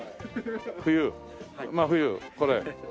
冬真冬これ。